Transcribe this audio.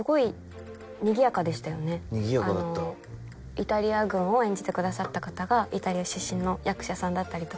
イタリア軍を演じてくださった方がイタリア出身の役者さんだったりとかして。